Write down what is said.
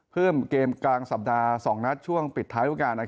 เพิ่มเกมกลางสัปดาห์๒นัดช่วงปิดท้ายรูปการณ์